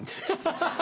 ハハハ！